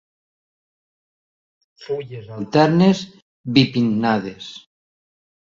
Fulles alternes, bipinnades.